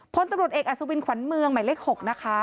พลตำรวจเอกอสวินควันเมืองใหม่เล็ก๖นะคะ